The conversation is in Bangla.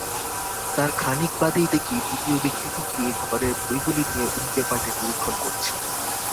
তার খানিক বাদেই দেখি দ্বিতীয় ব্যক্তিটি গিয়ে ঘরের বইগুলি নিয়ে উলটে-পালটে নিরীক্ষণ করছে।